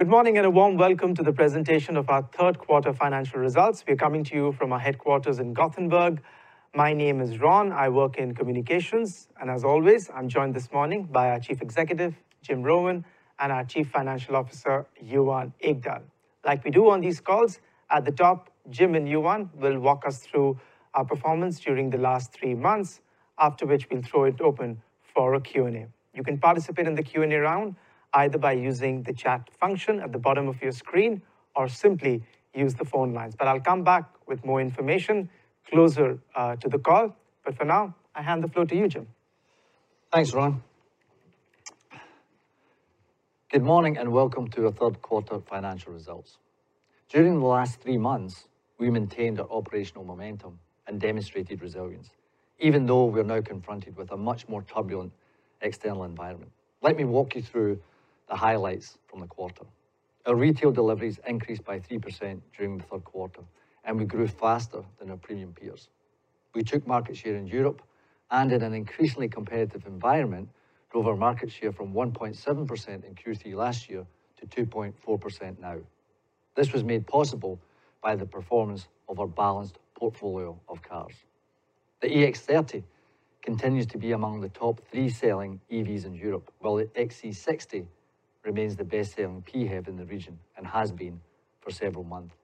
Good morning, and a warm welcome to the presentation of our third quarter financial results. We're coming to you from our headquarters in Gothenburg. My name is Ron, I work in communications, and as always, I'm joined this morning by our Chief Executive, Jim Rowan, and our Chief Financial Officer, Johan Ekdahl. Like we do on these calls, at the top, Jim and Johan will walk us through our performance during the last three months, after which we'll throw it open for a Q&A. You can participate in the Q&A round either by using the chat function at the bottom of your screen or simply use the phone lines. But I'll come back with more information closer to the call. For now, I hand the floor to you, Jim. Thanks, Ron. Good morning, and welcome to our third quarter financial results. During the last three months, we maintained our operational momentum and demonstrated resilience, even though we're now confronted with a much more turbulent external environment. Let me walk you through the highlights from the quarter. Our retail deliveries increased by 3% during the third quarter, and we grew faster than our premium peers. We took market share in Europe, and in an increasingly competitive environment, drove our market share from 1.7% in Q3 last year to 2.4% now. This was made possible by the performance of our balanced portfolio of cars. The EX30 continues to be among the top three selling EVs in Europe, while the XC60 remains the best-selling PHEV in the region and has been for several months.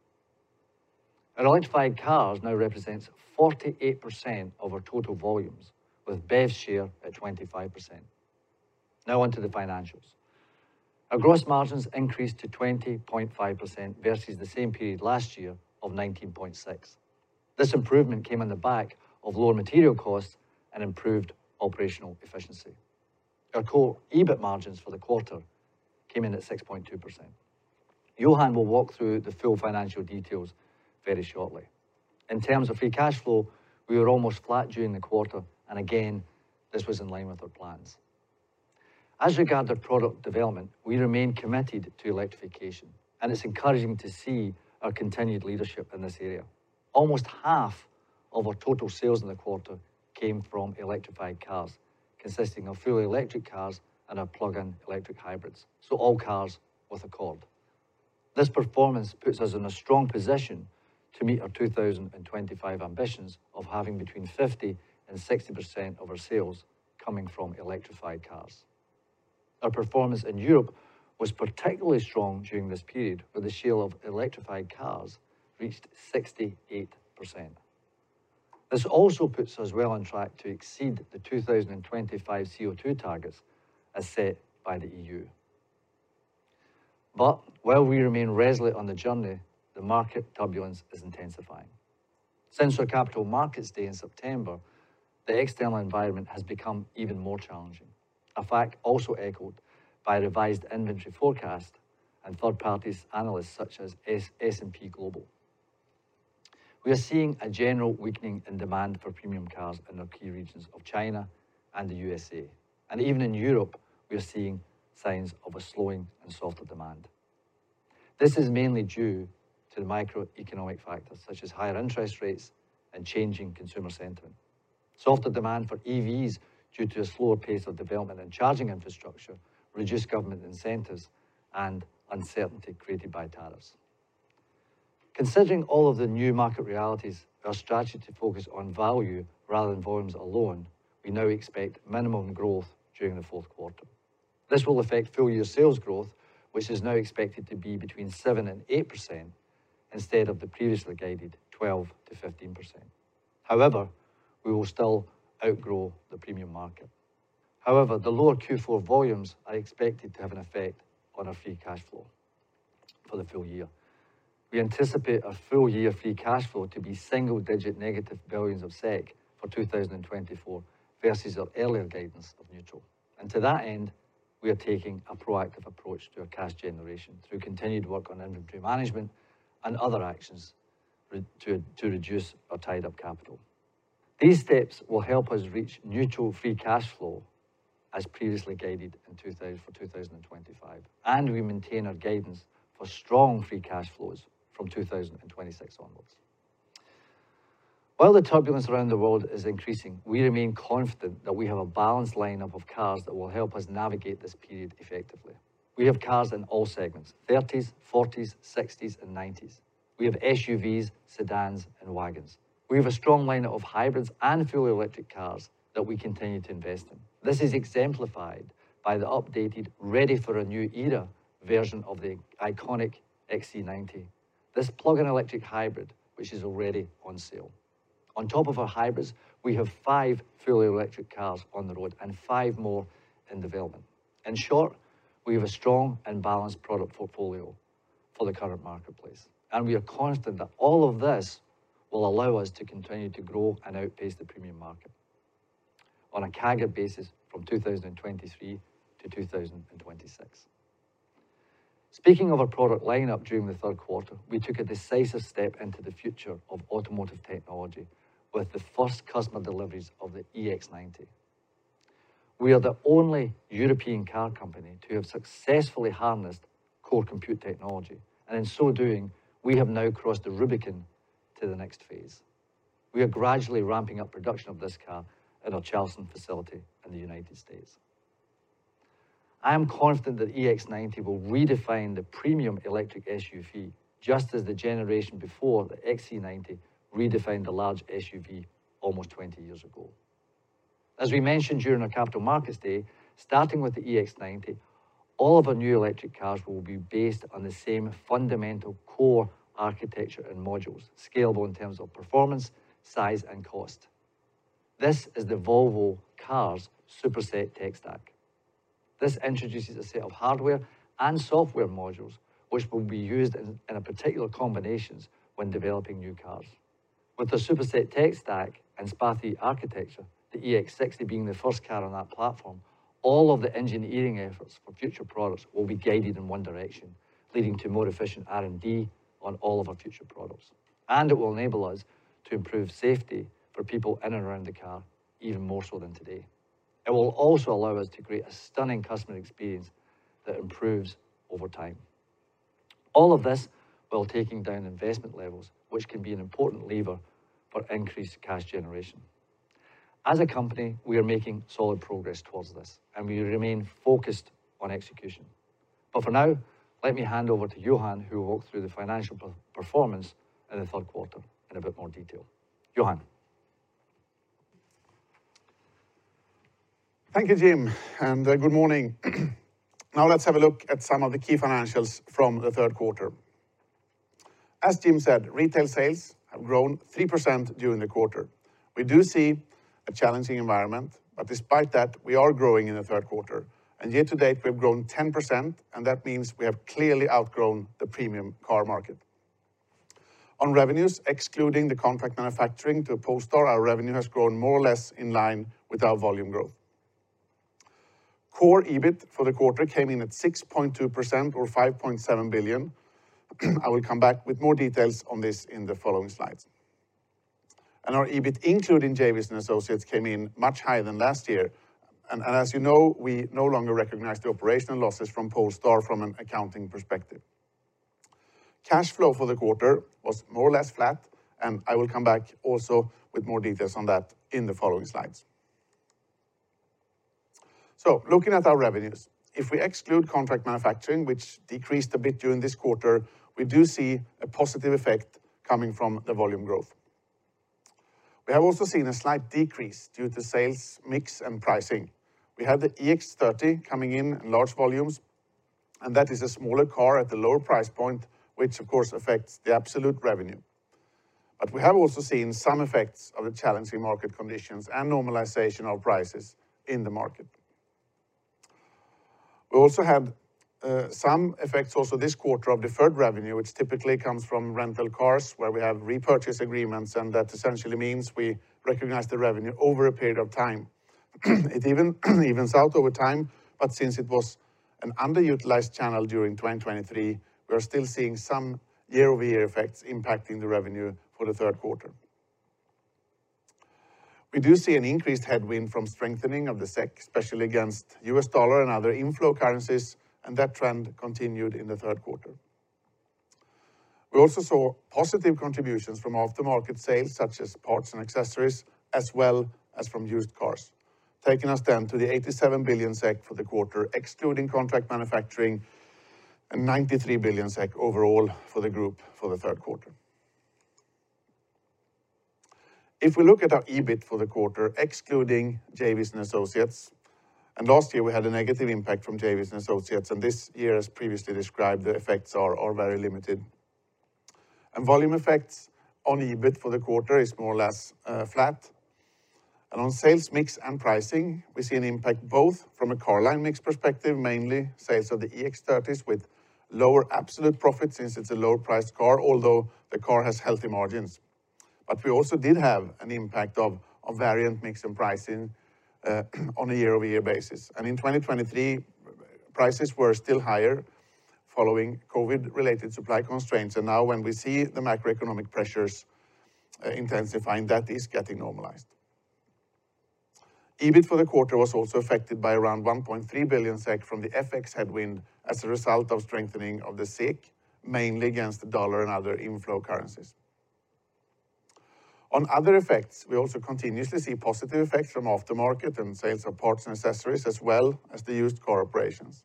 Our electrified cars now represents 48% of our total volumes, with BEV share at 25%. Now onto the financials. Our gross margins increased to 20.5% versus the same period last year of 19.6%. This improvement came on the back of lower material costs and improved operational efficiency. Our core EBIT margins for the quarter came in at 6.2%. Johan will walk through the full financial details very shortly. In terms of free cash flow, we were almost flat during the quarter, and again, this was in line with our plans. As regard to product development, we remain committed to electrification, and it's encouraging to see our continued leadership in this area. Almost half of our total sales in the quarter came from electrified cars, consisting of fully electric cars and our plug-in electric hybrids, so all cars with a cord. This performance puts us in a strong position to meet our 2025 ambitions of having between 50% and 60% of our sales coming from electrified cars. Our performance in Europe was particularly strong during this period, where the share of electrified cars reached 68%. This also puts us well on track to exceed the 2025 CO2 targets as set by the EU. But while we remain resolute on the journey, the market turbulence is intensifying. Since our Capital Markets Day in September, the external environment has become even more challenging, a fact also echoed by revised inventory forecast and third-party analysts such as S&P Global. We are seeing a general weakening in demand for premium cars in our key regions of China and the U.S.A., and even in Europe, we are seeing signs of a slowing and softer demand. This is mainly due to the macroeconomic factors, such as higher interest rates and changing consumer sentiment. Softer demand for EVs due to a slower pace of development in charging infrastructure, reduced government incentives, and uncertainty created by tariffs. Considering all of the new market realities, our strategy to focus on value rather than volumes alone, we now expect minimum growth during the fourth quarter. This will affect full-year sales growth, which is now expected to be between 7% and 8% instead of the previously guided 12%-15%. However, we will still outgrow the premium market. However, the lower Q4 volumes are expected to have an effect on our free cash flow for the full year. We anticipate our full-year free cash flow to be single-digit negative billions of SEK for 2024 versus our earlier guidance of neutral. And to that end, we are taking a proactive approach to our cash generation through continued work on inventory management and other actions to reduce our tied-up capital. These steps will help us reach neutral free cash flow, as previously guided for 2024, and we maintain our guidance for strong free cash flows from 2026 onwards. While the turbulence around the world is increasing, we remain confident that we have a balanced lineup of cars that will help us navigate this period effectively. We have cars in all segments: 30s, 40s. 60s, and 90s. We have SUVs, sedans, and wagons. We have a strong lineup of hybrids and fully electric cars that we continue to invest in. This is exemplified by the updated, ready-for-a-new-era version of the iconic XC90. This plug-in electric hybrid, which is already on sale. On top of our hybrids, we have five fully electric cars on the road and five more in development. In short, we have a strong and balanced product portfolio for the current marketplace, and we are confident that all of this will allow us to continue to grow and outpace the premium market on a CAGR basis from 2023-2026. Speaking of our product lineup, during the third quarter, we took a decisive step into the future of automotive technology with the first customer deliveries of the EX90. We are the only European car company to have successfully harnessed core compute technology, and in so doing, we have now crossed the Rubicon to the next phase. We are gradually ramping up production of this car at our Charleston facility in the United States. I am confident that EX90 will redefine the premium electric SUV, just as the generation before, the XC90, redefined the large SUV almost twenty years ago. As we mentioned during our Capital Markets Day, starting with the EX90, all of our new electric cars will be based on the same fundamental core architecture and modules, scalable in terms of performance, size, and cost. This is the Volvo Cars Superset tech stack. This introduces a set of hardware and software modules, which will be used in a particular combinations when developing new cars. With the Superset tech stack and SPA3 architecture, the EX60 being the first car on that platform, all of the engineering efforts for future products will be guided in one direction, leading to more efficient R&D on all of our future products. And it will enable us to improve safety for people in and around the car, even more so than today. It will also allow us to create a stunning customer experience that improves over time. All of this while taking down investment levels, which can be an important lever for increased cash generation. As a company, we are making solid progress towards this, and we remain focused on execution. But for now, let me hand over to Johan, who will walk through the financial performance in the third quarter in a bit more detail. Johan? Thank you, Jim, and good morning. Now let's have a look at some of the key financials from the third quarter. As Jim said, retail sales have grown 3% during the quarter. We do see a challenging environment, but despite that, we are growing in the third quarter. And year to date, we've grown 10%, and that means we have clearly outgrown the premium car market. On revenues, excluding the contract manufacturing to Polestar, our revenue has grown more or less in line with our volume growth. Core EBIT for the quarter came in at 6.2% or 5.7 billion. I will come back with more details on this in the following slides. And our EBIT, including JVs and associates, came in much higher than last year. As you know, we no longer recognize the operational losses from Polestar from an accounting perspective. Cash flow for the quarter was more or less flat, and I will come back also with more details on that in the following slides, so looking at our revenues, if we exclude contract manufacturing, which decreased a bit during this quarter, we do see a positive effect coming from the volume growth. We have also seen a slight decrease due to sales mix and pricing. We have the EX30 coming in in large volumes, and that is a smaller car at a lower price point, which of course, affects the absolute revenue, but we have also seen some effects of the challenging market conditions and normalization of prices in the market. We also had some effects also this quarter of deferred revenue, which typically comes from rental cars, where we have repurchase agreements, and that essentially means we recognize the revenue over a period of time. It evens out over time, but since it was an underutilized channel during 2023, we are still seeing some year-over-year effects impacting the revenue for the third quarter. We do see an increased headwind from strengthening of the SEK, especially against U.S. dollar and other inflow currencies, and that trend continued in the third quarter. We also saw positive contributions from aftermarket sales, such as parts and accessories, as well as from used cars, taking us then to the 87 billion SEK for the quarter, excluding contract manufacturing, and 93 billion SEK overall for the group for the third quarter. If we look at our EBIT for the quarter, excluding JVs and associates, and last year we had a negative impact from JVs and associates, and this year, as previously described, the effects are very limited. And volume effects on EBIT for the quarter is more or less flat. And on sales mix and pricing, we see an impact both from a car line mix perspective, mainly sales of the EX30s with lower absolute profit since it's a lower-priced car, although the car has healthy margins. But we also did have an impact of variant mix and pricing on a year-over-year basis. And in 2023, prices were still higher following COVID-related supply constraints, and now when we see the macroeconomic pressures intensifying, that is getting normalized. EBIT for the quarter was also affected by around 1.3 billion SEK from the FX headwind as a result of strengthening of the SEK, mainly against the dollar and other inflow currencies. On other effects, we also continuously see positive effects from aftermarket and sales of parts and accessories, as well as the used car operations.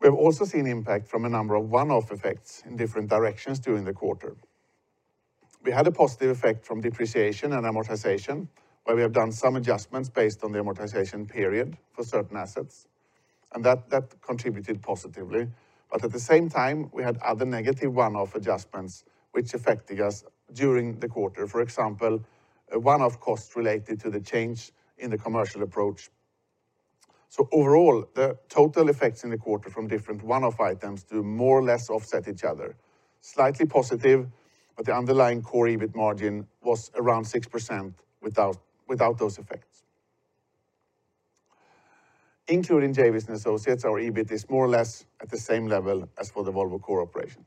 We have also seen impact from a number of one-off effects in different directions during the quarter. We had a positive effect from depreciation and amortization, where we have done some adjustments based on the amortization period for certain assets, and that, that contributed positively. But at the same time, we had other negative one-off adjustments which affected us during the quarter. For example, a one-off cost related to the change in the commercial approach. Overall, the total effects in the quarter from different one-off items do more or less offset each other. Slightly positive, but the underlying core EBIT margin was around 6% without those effects. Including JVs and associates, our EBIT is more or less at the same level as for the Volvo core operations.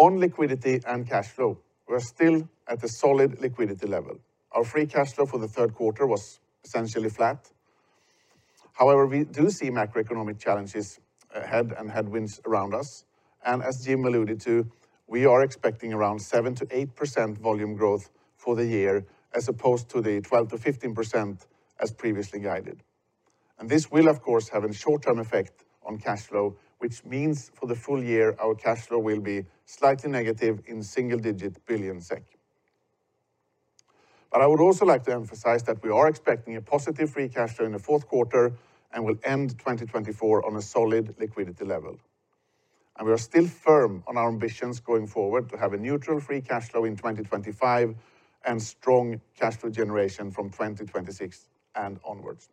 On liquidity and cash flow, we're still at a solid liquidity level. Our free cash flow for the third quarter was essentially flat. However, we do see macroeconomic challenges ahead and headwinds around us. As Jim alluded to, we are expecting around 7%-8% volume growth for the year, as opposed to the 12%-15% as previously guided. This will, of course, have a short-term effect on cash flow, which means for the full year, our cash flow will be slightly negative in single-digit billion SEK. But I would also like to emphasize that we are expecting a positive free cash flow in the fourth quarter and will end twenty twenty-four on a solid liquidity level. And we are still firm on our ambitions going forward to have a neutral free cash flow in twenty twenty-five and strong cash flow generation from twenty twenty-six and onwards.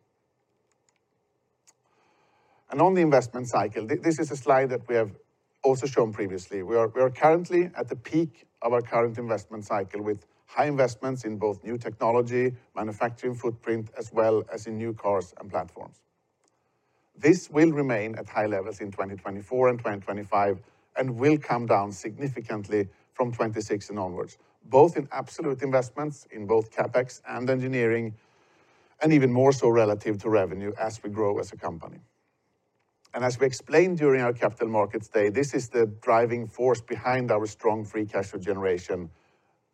And on the investment cycle, this is a slide that we have also shown previously. We are currently at the peak of our current investment cycle, with high investments in both new technology, manufacturing footprint, as well as in new cars and platforms. This will remain at high levels in twenty twenty-four and twenty twenty-five and will come down significantly from twenty twenty-six and onwards, both in absolute investments, in both CapEx and engineering, and even more so relative to revenue as we grow as a company. As we explained during our Capital Markets Day, this is the driving force behind our strong free cash flow generation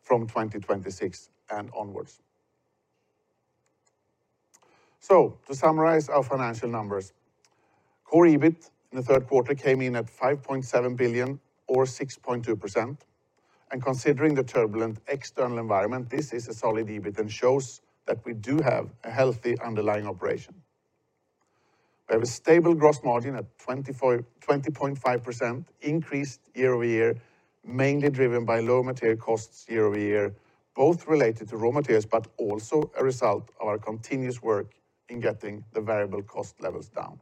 from 2026 and onwards. To summarize our financial numbers, core EBIT in the third quarter came in at 5.7 billion or 6.2%, and considering the turbulent external environment, this is a solid EBIT and shows that we do have a healthy underlying operation. We have a stable gross margin at 24.5%, increased year over year, mainly driven by low material costs year over year, both related to raw materials but also a result of our continuous work in getting the variable cost levels down.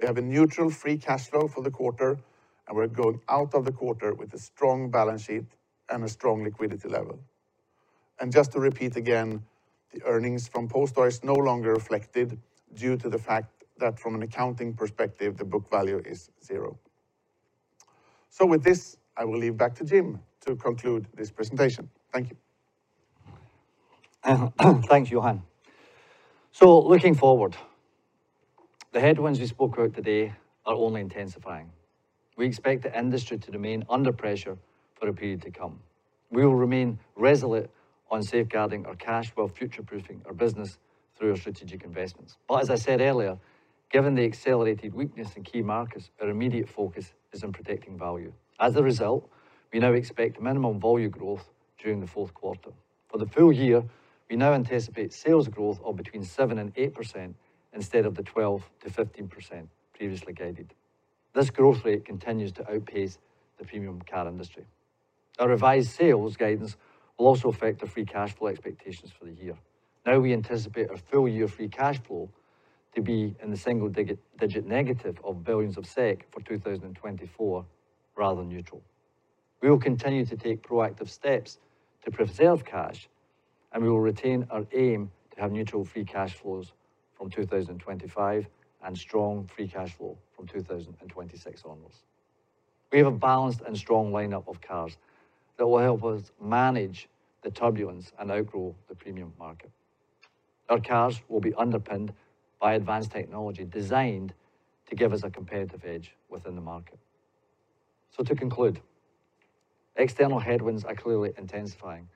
We have a neutral free cash flow for the quarter, and we're going out of the quarter with a strong balance sheet and a strong liquidity level. And just to repeat again, the earnings from Polestar is no longer reflected due to the fact that from an accounting perspective, the book value is zero. So with this, I will hand back to Jim to conclude this presentation. Thank you. Thanks, Johan. So looking forward, the headwinds we spoke about today are only intensifying. We expect the industry to remain under pressure for a period to come. We will remain resolute on safeguarding our cash while future-proofing our business through our strategic investments. But as I said earlier, given the accelerated weakness in key markets, our immediate focus is on protecting value. As a result, we now expect minimum volume growth during the fourth quarter. For the full year, we now anticipate sales growth of between 7% and 8% instead of the 12%-15% previously guided. This growth rate continues to outpace the premium car industry. Our revised sales guidance will also affect our free cash flow expectations for the year. Now, we anticipate our full-year free cash flow to be in the single-digit negative billions of SEK for 2024, rather than neutral. We will continue to take proactive steps to preserve cash, and we will retain our aim to have neutral free cash flows from 2025 and strong free cash flow from 2026 onwards. We have a balanced and strong lineup of cars that will help us manage the turbulence and outgrow the premium market. Our cars will be underpinned by advanced technology designed to give us a competitive edge within the market, so to conclude, external headwinds are clearly intensifying,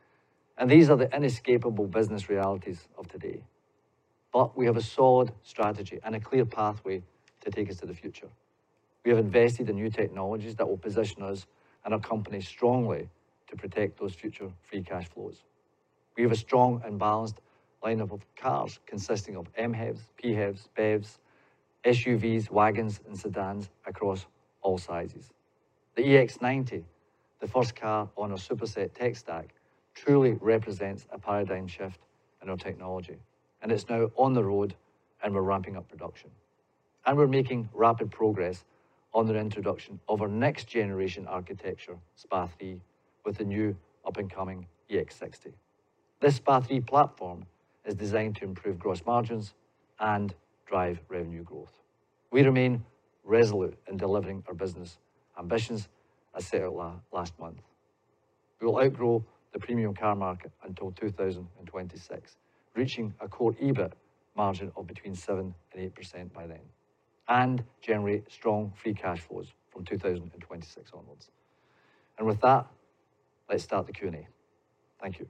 and these are the inescapable business realities of today, but we have a solid strategy and a clear pathway to take us to the future. We have invested in new technologies that will position us and our company strongly to protect those future free cash flows. We have a strong and balanced lineup of cars consisting of MHEVs, PHEVs, BEVs, SUVs, wagons, and sedans across all sizes. The EX90, the first car on our Superset tech stack, truly represents a paradigm shift in our technology, and it's now on the road, and we're ramping up production, and we're making rapid progress on the introduction of our next-generation architecture, SPA3, with the new up-and-coming EX60. This SPA3 platform is designed to improve gross margins and drive revenue growth. We remain resolute in delivering our business ambitions as set out last month. We will outgrow the premium car market until 2026, reaching a Core EBIT margin of between 7% and 8% by then, and generate strong free cash flows from 2026 onwards. With that, let's start the Q&A. Thank you.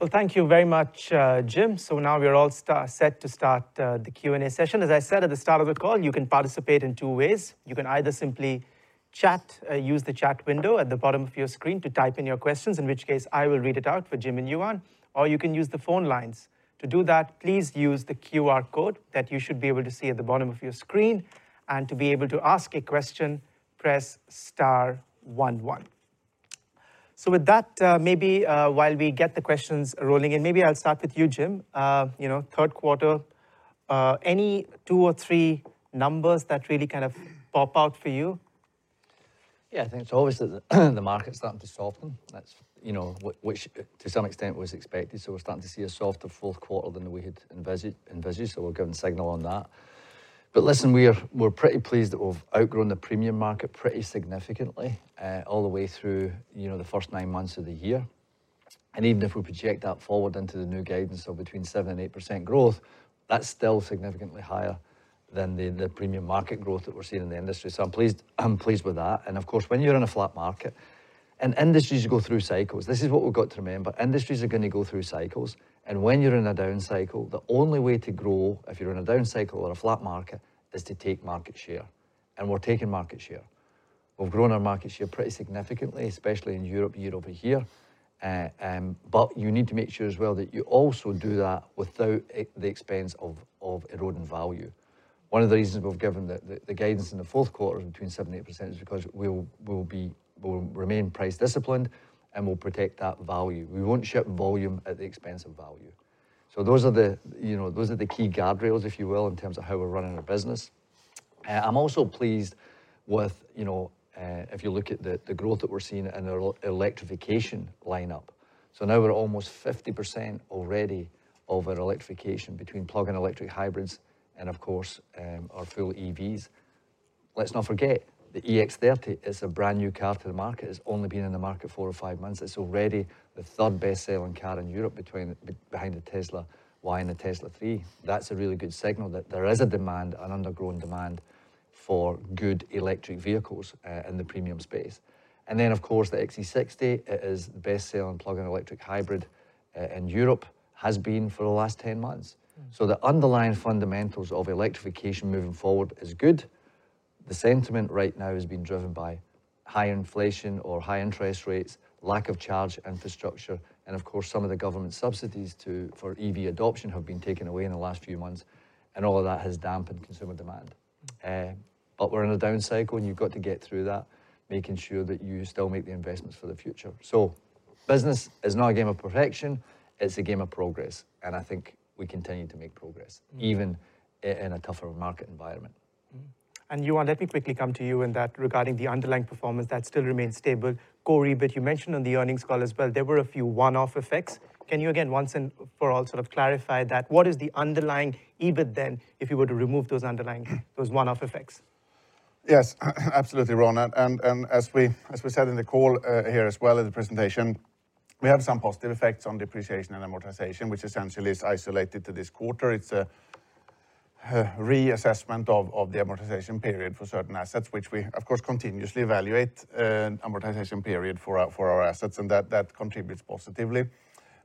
Thank you very much, Jim. Now we are all set to start the Q&A session. As I said at the start of the call, you can participate in two ways. You can either simply chat, use the chat window at the bottom of your screen to type in your questions, in which case I will read it out for Jim and Johan, or you can use the phone lines. To do that, please use the QR code that you should be able to see at the bottom of your screen, and to be able to ask a question, press star one one. With that, maybe while we get the questions rolling in, maybe I'll start with you, Jim. You know, third quarter, any two or three numbers that really kind of pop out for you? Yeah, I think it's obvious that the market's starting to soften. That's, you know, which to some extent was expected. So we're starting to see a softer fourth quarter than we had envisaged, so we're giving signal on that. But listen, we're pretty pleased that we've outgrown the premium market pretty significantly, all the way through, you know, the first nine months of the year. And even if we project that forward into the new guidance of between 7% and 8% growth, that's still significantly higher than the premium market growth that we're seeing in the industry. So I'm pleased with that. And of course, when you're in a flat market, and industries go through cycles, this is what we've got to remember: industries are gonna go through cycles. And when you're in a down cycle, the only way to grow, if you're in a down cycle or a flat market, is to take market share. And we're taking market share. We've grown our market share pretty significantly, especially in Europe, year over year. But you need to make sure as well that you also do that without the expense of eroding value. One of the reasons we've given the guidance in the fourth quarter between 7% and 8% is because we'll remain price disciplined, and we'll protect that value. We won't ship volume at the expense of value. So those are the, you know, those are the key guardrails, if you will, in terms of how we're running our business. I'm also pleased with, you know, if you look at the growth that we're seeing in our electrification lineup. So now we're almost 50% already of our electrification between plug-in electric hybrids and, of course, our full EVs. Let's not forget, the EX30 is a brand-new car to the market. It's only been in the market four or five months. It's already the third best-selling car in Europe behind the Tesla Y and the Tesla 3. That's a really good signal that there is a demand, an untapped demand, for good electric vehicles in the premium space. And then, of course, the XC60 is the best-selling plug-in electric hybrid in Europe, has been for the last 10 months. So the underlying fundamentals of electrification moving forward is good. The sentiment right now is being driven by high inflation or high interest rates, lack of charge infrastructure, and of course, some of the government subsidies to, for EV adoption have been taken away in the last few months, and all of that has dampened consumer demand. But we're in a down cycle, and you've got to get through that, making sure that you still make the investments for the future. So business is not a game of perfection, it's a game of progress, and I think we continue to make progress even in a tougher market environment. Mm-hmm. And Johan, let me quickly come to you, and that regarding the underlying performance, that still remains stable. Core EBIT, you mentioned on the earnings call as well, there were a few one-off effects. Can you again, once and for all, sort of clarify that? What is the underlying EBIT then, if you were to remove those underlying, those one-off effects? Yes, absolutely, Ron. And as we said in the call, here as well as the presentation, we have some positive effects on depreciation and amortization, which essentially is isolated to this quarter. It's a reassessment of the amortization period for certain assets, which we of course continuously evaluate amortization period for our assets, and that contributes positively.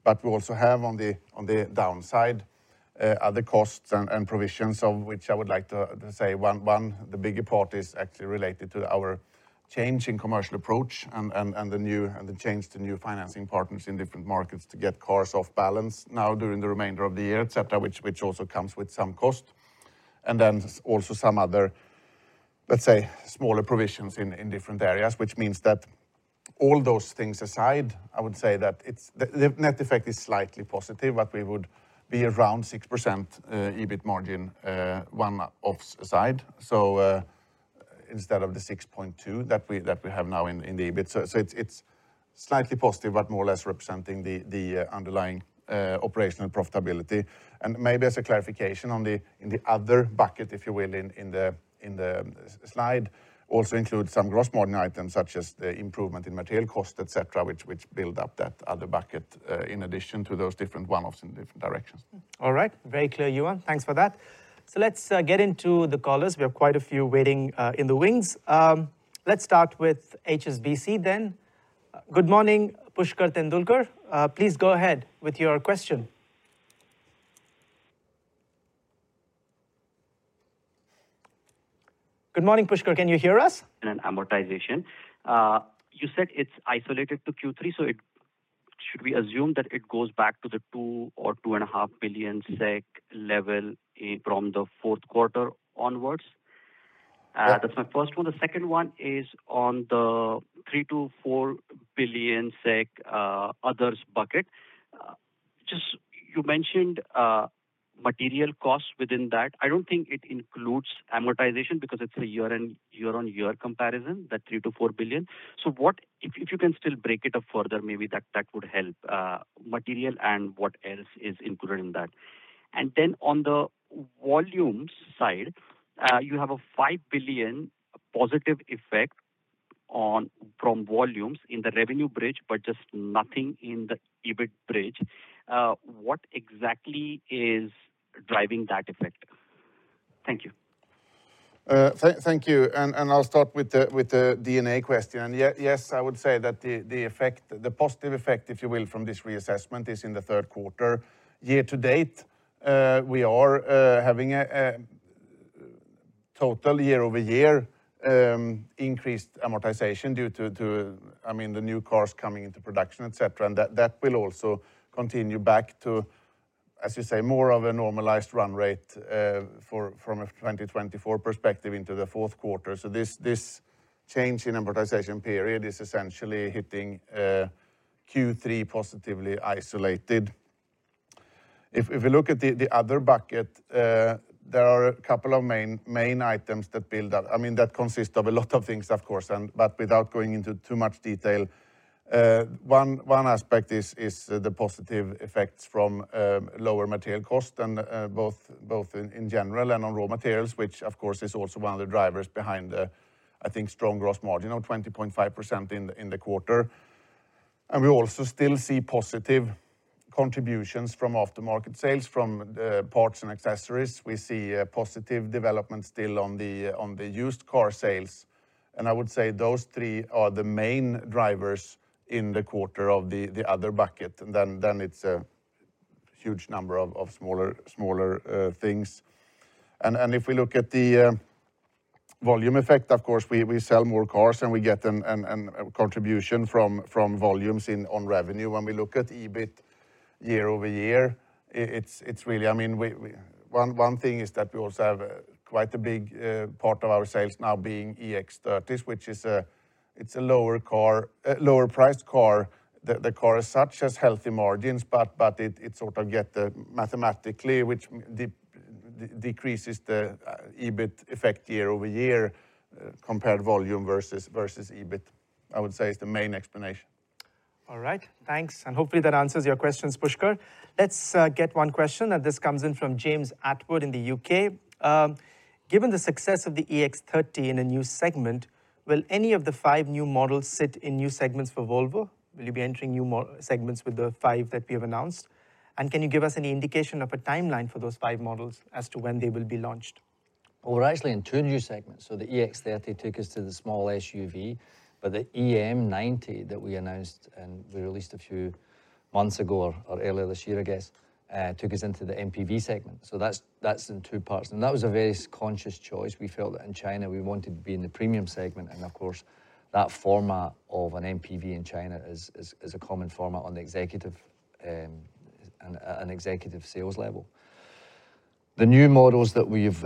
But we also have on the downside other costs and provisions of which I would like to say one, the bigger part is actually related to our change in commercial approach and the change to new financing partners in different markets to get cars off balance now during the remainder of the year, et cetera, which also comes with some cost. And then also some other, let's say, smaller provisions in different areas, which means that all those things aside, I would say that it's the net effect is slightly positive, but we would be around 6% EBIT margin, one-offs aside. So, instead of the 6.2% that we have now in the EBIT. So, it's slightly positive, but more or less representing the underlying operational profitability. And maybe as a clarification on the other bucket, if you will, in the slide, also includes some gross margin items, such as the improvement in material cost, et cetera, which build up that other bucket in addition to those different one-offs in different directions. All right. Very clear, Johan. Thanks for that. So let's get into the callers. We have quite a few waiting in the wings. Let's start with HSBC then. Good morning, Pushkar Tendolkar. Please go ahead with your question. Good morning, Pushkar, can you hear us? And amortization. You said it's isolated to Q3, so should we assume that it goes back to the 2 billion SEK or SEK 2.5 billion level in from the fourth quarter onwards? Yeah. That's my first one. The second one is on the 3 billion-4 billion SEK others bucket. Just, you mentioned, material costs within that. I don't think it includes amortization because it's a year-on-year comparison, that 3 billion-4 billion. So what if you can still break it up further, maybe that would help, material and what else is included in that. And then on the volumes side, you have a 5 billion positive effect from volumes in the revenue bridge, but just nothing in the EBIT bridge. What exactly is driving that effect? Thank you. Thank you. And I'll start with the D&A question. Yes, I would say that the effect, the positive effect, if you will, from this reassessment, is in the third quarter. Year to date, we are having a total year-over-year increased amortization due to, I mean, the new cars coming into production, et cetera. And that will also continue back to, as you say, more of a normalized run rate, for from a 2024 perspective into the fourth quarter. So this change in amortization period is essentially hitting Q3 positively isolated. If we look at the other bucket, there are a couple of main items that build up. I mean, that consists of a lot of things, of course, and but without going into too much detail, one aspect is the positive effects from lower material cost and both in general and on raw materials, which of course is also one of the drivers behind the, I think, strong gross margin of 20.5% in the quarter. We also still see positive contributions from aftermarket sales, from parts and accessories. We see a positive development still on the used car sales. I would say those three are the main drivers in the quarter of the other bucket, and then it's a huge number of smaller things. If we look at the volume effect, of course, we sell more cars and we get a contribution from volumes on revenue. When we look at EBIT year over year, it's really. I mean, one thing is that we also have quite a big part of our sales now being EX30, which is a lower priced car. The car as such has healthy margins, but it sort of gets it mathematically, which decreases the EBIT effect year over year compared volume versus EBIT. I would say is the main explanation. All right. Thanks. And hopefully that answers your questions, Pushkar. Let's get one question, and this comes in from James Attwood in the U.K. Given the success of the EX30 in a new segment, will any of the five new models sit in new segments for Volvo? Will you be entering new segments with the five that we have announced? And can you give us any indication of a timeline for those five models as to when they will be launched? We're actually in two new segments. So the EX30 took us to the small SUV, but the EM90 that we announced and we released a few months ago or earlier this year, I guess, took us into the MPV segment. So that's in two parts, and that was a very conscious choice. We felt that in China, we wanted to be in the premium segment, and of course, that format of an MPV in China is a common format on the executive and at an executive sales level. The new models that we've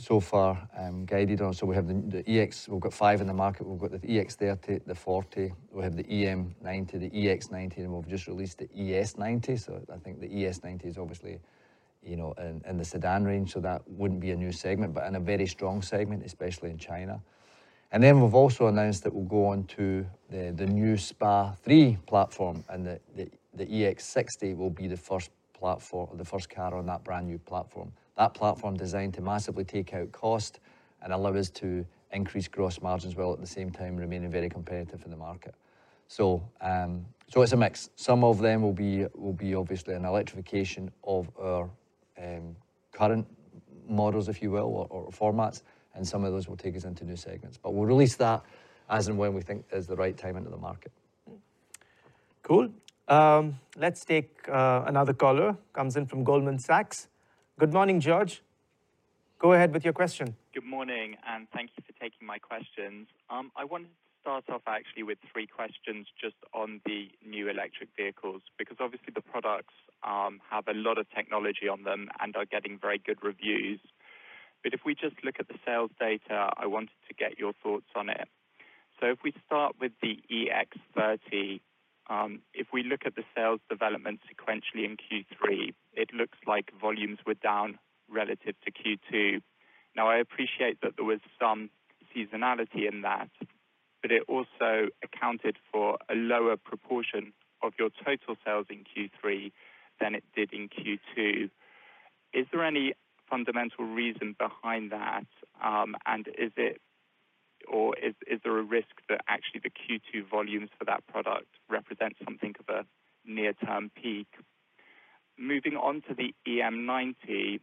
so far guided on, so we have the EX. We've got five in the market. We've got the EX30, the XC40, we have the EM90, the EX90, and we've just released the ES90. So I think the ES90 is obviously, you know, in the sedan range, so that wouldn't be a new segment, but in a very strong segment, especially in China. And then we've also announced that we'll go on to the new SPA3 platform, and the EX60 will be the first platform, the first car on that brand-new platform. That platform designed to massively take out cost and allow us to increase gross margins, while at the same time remaining very competitive in the market. So, so it's a mix. Some of them will be obviously an electrification of our current models, if you will, or formats, and some of those will take us into new segments. But we'll release that as and when we think is the right time into the market. Cool. Let's take another caller, comes in from Goldman Sachs. Good morning, George. Go ahead with your question. Good morning, and thank you for taking my questions. I wanted to start off actually with three questions just on the new electric vehicles, because obviously the products have a lot of technology on them and are getting very good reviews, but if we just look at the sales data, I wanted to get your thoughts on it, so if we start with the EX30, if we look at the sales development sequentially in Q3, it looks like volumes were down relative to Q2. Now, I appreciate that there was some seasonality in that, but it also accounted for a lower proportion of your total sales in Q3 than it did in Q2. Is there any fundamental reason behind that, and is it, or is there a risk that actually the Q2 volumes for that product represent something of a near-term peak? Moving on to the EM90,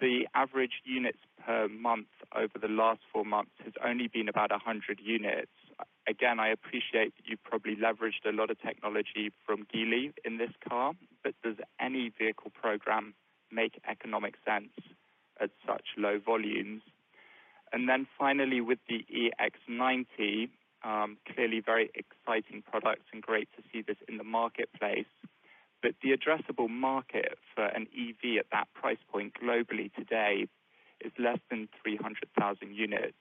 the average units per month over the last four months has only been about a hundred units. Again, I appreciate that you probably leveraged a lot of technology from Geely in this car, but does any vehicle program make economic sense at such low volumes? And then finally, with the EX90, clearly very exciting products and great to see this in the marketplace. But the addressable market for an EV at that price point globally today is less than three hundred thousand units.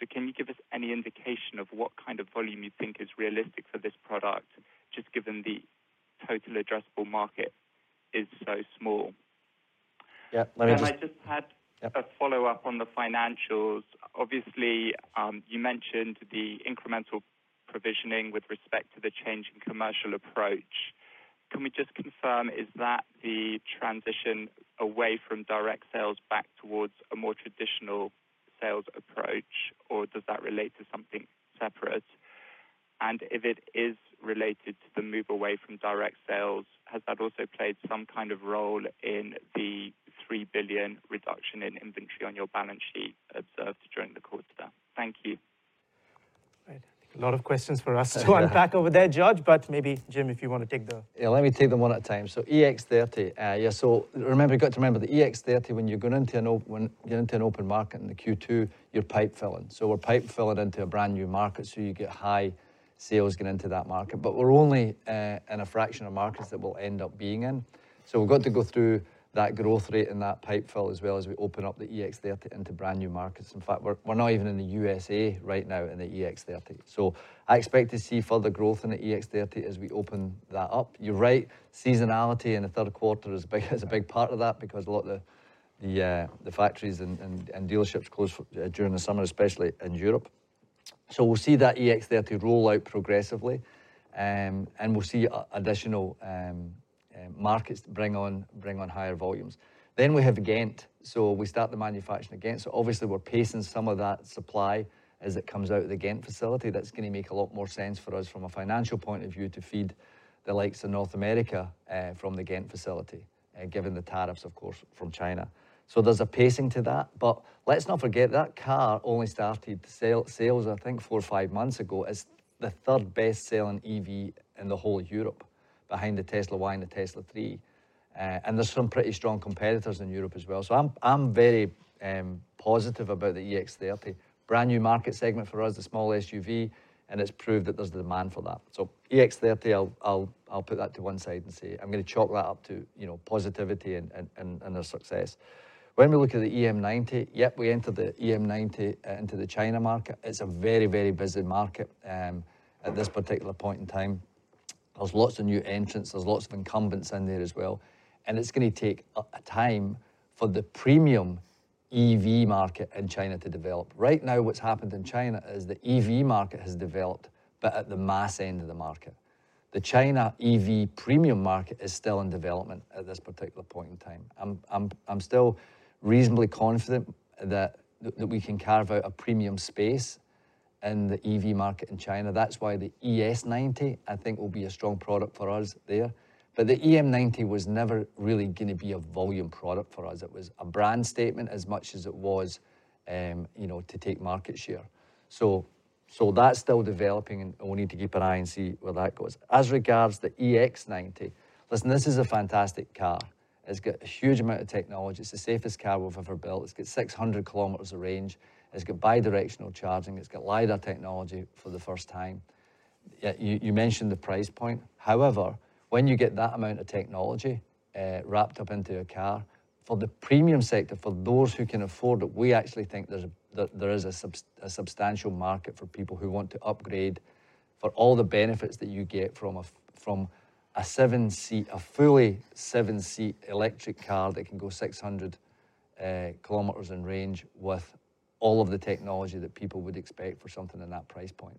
So can you give us any indication of what kind of volume you think is realistic for this product, just given the total addressable market is so small? Yeah, let me- I just had- Yeah. A follow-up on the financials. Obviously, you mentioned the incremental provisioning with respect to the change in commercial approach. Can we just confirm, is that the transition away from direct sales back towards a more traditional sales approach, or does that relate to something separate? And if it is related to the move away from direct sales, has that also played some kind of role in the 3 billion reduction in inventory on your balance sheet observed during the quarter? Thank you. Right. A lot of questions for us to unpack over there, George, but maybe, Jim, if you want to take the- Yeah, let me take them one at a time. So EX30, yeah, so remember, you got to remember the EX30, when you get into an open market in the Q2, you're pipe filling. So we're pipe filling into a brand-new market, so you get high sales going into that market. But we're only in a fraction of markets that we'll end up being in. So we've got to go through that growth rate and that pipe fill, as well as we open up the EX30 into brand-new markets. In fact, we're not even in the U.S.A., right now in the EX30. So I expect to see further growth in the EX30 as we open that up. You're right, seasonality in the third quarter is a big part of that because a lot of the factories and dealerships close during the summer, especially in Europe. So we'll see that EX30 roll out progressively, and we'll see additional markets bring on higher volumes. Then we have Ghent. So we start the manufacturing in Ghent. So obviously we're pacing some of that supply as it comes out of the Ghent facility. That's gonna make a lot more sense for us from a financial point of view, to feed the likes of North America from the Ghent facility, given the tariffs, of course, from China. So there's a pacing to that. But let's not forget, that car only started sales, I think, four or five months ago. It's the third best-selling EV in the whole of Europe, behind the Tesla Y and the Tesla 3, and there's some pretty strong competitors in Europe as well. So I'm very positive about the EX30. Brand-new market segment for us, the small SUV, and it's proved that there's demand for that. So EX30, I'll put that to one side and say I'm gonna chalk that up to, you know, positivity and a success. When we look at the EM90, yep, we entered the EM90 into the China market. It's a very, very busy market at this particular point in time. There's lots of new entrants, there's lots of incumbents in there as well, and it's gonna take a time for the premium EV market in China to develop. Right now, what's happened in China is the EV market has developed, but at the mass end of the market. The China EV premium market is still in development at this particular point in time. I'm still reasonably confident that we can carve out a premium space in the EV market in China. That's why the ES90, I think, will be a strong product for us there. But the EM90 was never really gonna be a volume product for us. It was a brand statement as much as it was, you know, to take market share. So that's still developing, and we'll need to keep an eye and see where that goes. As regards the EX90, listen, this is a fantastic car. It's got a huge amount of technology. It's the safest car we've ever built. It's got 600 km of range. It's got bi-directional charging. It's got LiDAR technology for the first time. Yeah, you mentioned the price point. However, when you get that amount of technology wrapped up into a car, for the premium sector, for those who can afford it, we actually think there is a substantial market for people who want to upgrade for all the benefits that you get from a seven-seat, a fully seven-seat electric car that can go 600 km in range, with all of the technology that people would expect for something in that price point.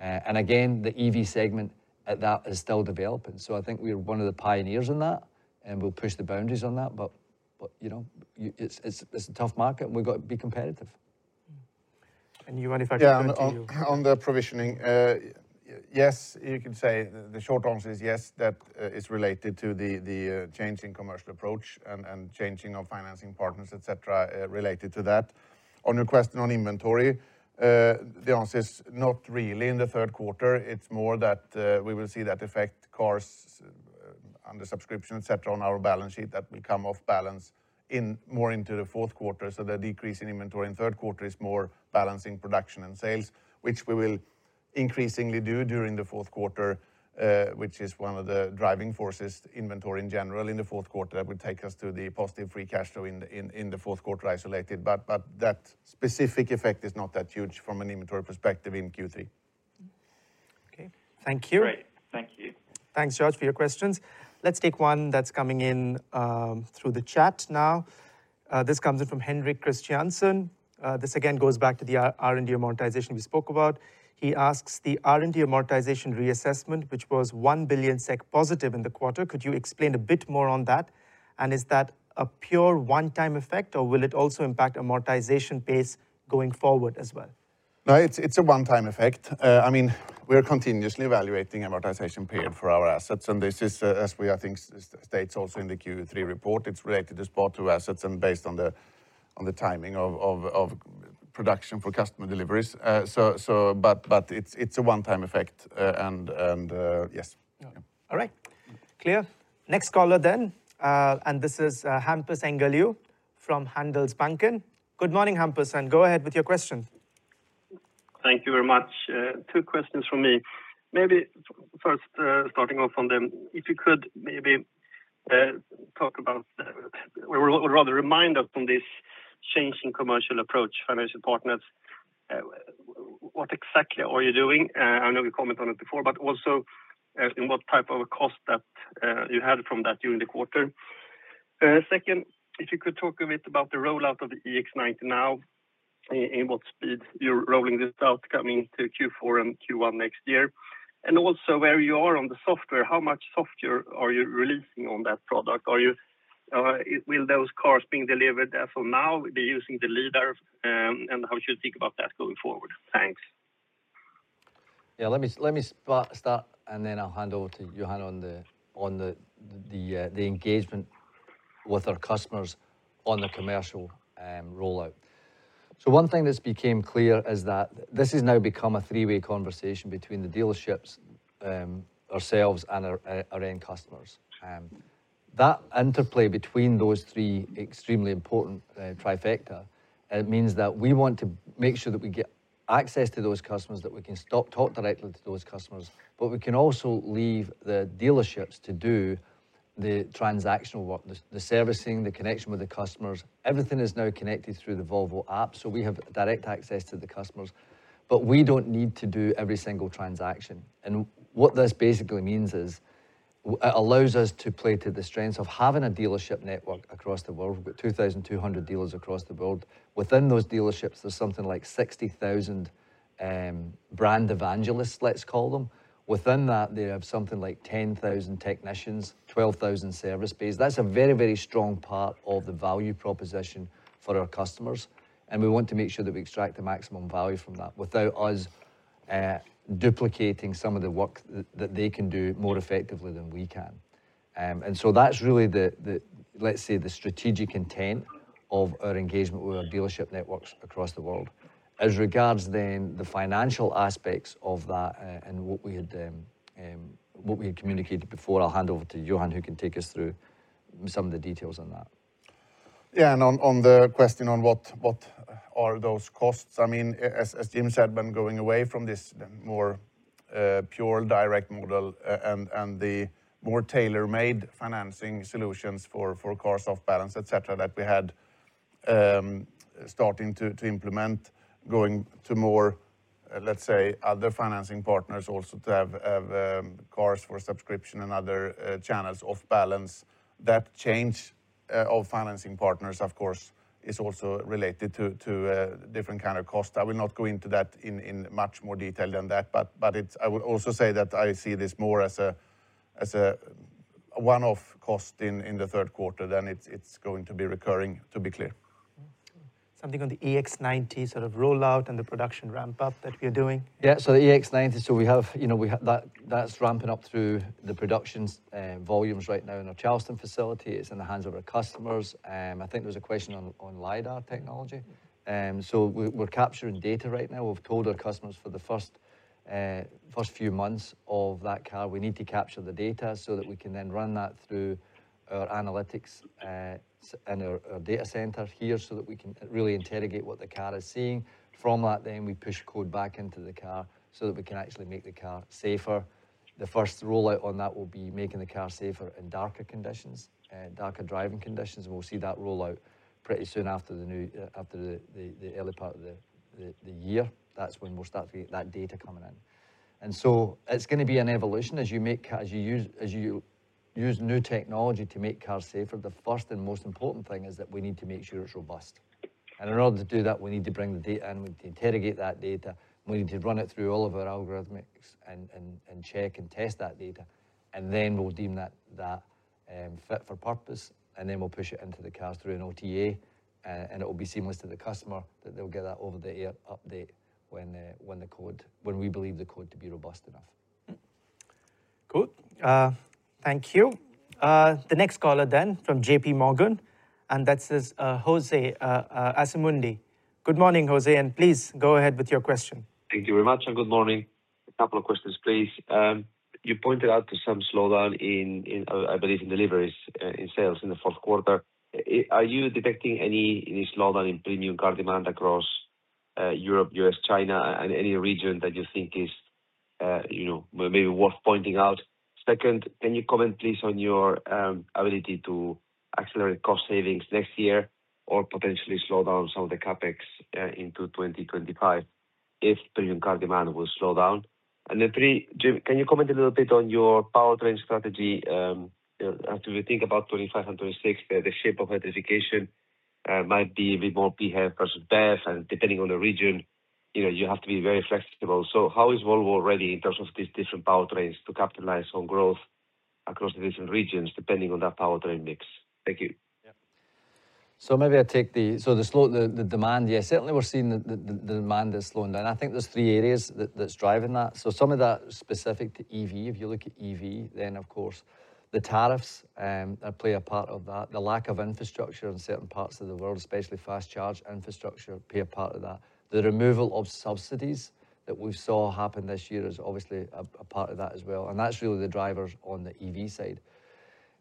And again, the EV segment at that is still developing. So I think we're one of the pioneers in that, and we'll push the boundaries on that, but you know, it's a tough market, and we've got to be competitive. You want to- Yeah, on the provisioning, yes, you can say the short answer is yes, that is related to the change in commercial approach and changing of financing partners, et cetera, related to that. On your question on inventory, the answer is not really in the third quarter. It's more that we will see that affect cars under subscription, et cetera, on our balance sheet. That will come off balance sheet more into the fourth quarter. So the decrease in inventory in third quarter is more balancing production and sales, which we will increasingly do during the fourth quarter, which is one of the driving forces, inventory in general in the fourth quarter, that would take us to the positive free cash flow in the fourth quarter isolated, but that specific effect is not that huge from an inventory perspective in Q3. Okay, thank you. Great. Thank you. Thanks, George, for your questions. Let's take one that's coming in through the chat now. This comes in from Henrik Christiansen. This again goes back to the R&D amortization we spoke about. He asks: "The R&D amortization reassessment, which was one billion SEK positive in the quarter, could you explain a bit more on that? And is that a pure one-time effect, or will it also impact amortization pace going forward as well? No, it's a one-time effect. I mean, we're continuously evaluating amortization period for our assets, and this is, as we, I think, states also in the Q3 report, it's related to SPA 2 assets and based on the timing of production for customer deliveries. So, but it's a one-time effect, and yes. All right. Clear. Next caller then, and this is, Hampus Engellau from Handelsbanken. Good morning, Hampus, and go ahead with your question. Thank you very much. Two questions from me. Maybe first, starting off on them, if you could maybe talk about... or rather remind us on this changing commercial approach, financial partners, what exactly are you doing? I know you commented on it before, but also, in what type of a cost that you had from that during the quarter. Second, if you could talk a bit about the rollout of the EX90 now, in what speed you're rolling this out coming to Q4 and Q1 next year. And also, where you are on the software, how much software are you releasing on that product? Will those cars being delivered as from now be using the LiDAR, and how we should think about that going forward? Thanks. Yeah, let me start, and then I'll hand over to Johan on the engagement with our customers on the commercial rollout. So one thing that's became clear is that this has now become a three-way conversation between the dealerships, ourselves and our end customers. That interplay between those three extremely important trifecta. It means that we want to make sure that we get access to those customers, that we can talk directly to those customers, but we can also leave the dealerships to do the transactional work, the servicing, the connection with the customers. Everything is now connected through the Volvo app, so we have direct access to the customers, but we don't need to do every single transaction. And what this basically means is-... It allows us to play to the strengths of having a dealership network across the world. We've got two thousand two hundred dealers across the world. Within those dealerships, there's something like sixty thousand brand evangelists, let's call them. Within that, they have something like ten thousand technicians, twelve thousand service bays. That's a very, very strong part of the value proposition for our customers, and we want to make sure that we extract the maximum value from that without us duplicating some of the work that they can do more effectively than we can, and so that's really the, let's say, the strategic intent of our engagement with our dealership networks across the world. As regards then the financial aspects of that, and what we had communicated before, I'll hand over to Johan, who can take us through some of the details on that. Yeah, and on the question on what are those costs, I mean, as Jim said, when going away from this more pure direct model and the more tailor-made financing solutions for cars off balance, et cetera, that we had starting to implement, going to more, let's say, other financing partners also to have cars for subscription and other channels off balance. That change of financing partners, of course, is also related to different kind of cost. I will not go into that in much more detail than that, but it's- I would also say that I see this more as a one-off cost in the third quarter, than it's going to be recurring, to be clear. Something on the EX90 sort of rollout and the production ramp-up that we are doing. So the EX90, we have, you know, that's ramping up through the production volumes right now in our Charleston facility. It's in the hands of our customers. I think there was a question on LiDAR technology. Yeah. So we're capturing data right now. We've told our customers for the first few months of that car, we need to capture the data so that we can then run that through our analytics and our data center here, so that we can really interrogate what the car is seeing. From that then, we push code back into the car so that we can actually make the car safer. The first rollout on that will be making the car safer in darker conditions, darker driving conditions, and we'll see that roll out pretty soon after the early part of the year. That's when we'll start to get that data coming in. It's gonna be an evolution as you use new technology to make cars safer. The first and most important thing is that we need to make sure it's robust. In order to do that, we need to bring the data in. We need to interrogate that data. We need to run it through all of our algorithms and check and test that data. Then we'll deem that fit for purpose, and then we'll push it into the cars through an OTA. It will be seamless to the customer, that they'll get that over-the-air update when we believe the code to be robust enough. Mm. Cool. Thank you. The next caller then, from JPMorgan, and that is, Jose Asumendi. Good morning, Jose, and please go ahead with your question. Thank you very much, and good morning. A couple of questions, please. You pointed out some slowdown in, I believe, deliveries in sales in the fourth quarter. Are you detecting any slowdown in premium car demand across, Europe, U.S., China, and any region that you think is, you know, maybe worth pointing out? Second, can you comment, please, on your ability to accelerate cost savings next year, or potentially slow down some of the CapEx into 2025 if premium car demand will slow down? Then three, Jim, can you comment a little bit on your powertrain strategy, you know, as we think about 2025 and 2026, the shape of electrification might be a bit more BEV versus hybrid and depending on the region, you know, you have to be very flexible. So how is Volvo ready in terms of these different powertrains to capitalize on growth across the different regions, depending on that powertrain mix? Thank you. Yeah. So maybe I'll take that. So the slowdown, yeah, certainly we're seeing the demand is slowing down. I think there's three areas that's driving that. So some of that specific to EV. If you look at EV, then of course, the tariffs play a part of that. The lack of infrastructure in certain parts of the world, especially fast charge infrastructure, play a part of that. The removal of subsidies that we saw happen this year is obviously a part of that as well, and that's really the drivers on the EV side.